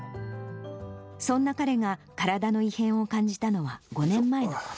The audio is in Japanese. そんな彼が体の異変を感じたのは５年前のこと。